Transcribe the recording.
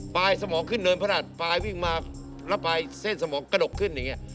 สมองขึ้นเนินพนัดปลายวิ่งมาแล้วปลายเส้นสมองกระดกขึ้นอย่างนี้